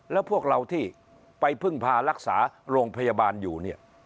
แล้วพวกเราที่ไปพึ่งพารักษาโรงพยาบาลอยู่เนี่ย